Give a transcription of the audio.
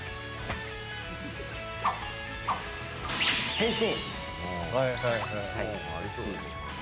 変身！